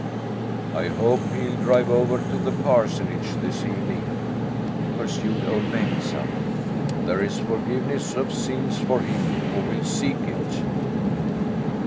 "I hope he'll drive over to the parsonage this evening," pursued Ol' Bengtsa. "There is forgiveness of sins for him who will seek it."